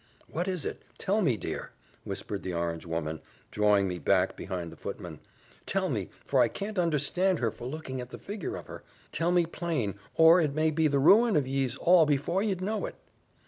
"What is it? Tell me, dear," whispered the orange woman, drawing me back behind the footman. "Tell me, for I can't understand her for looking at the figure of her. Tell me plain, or it may be the ruen of yees all before ye'd know it."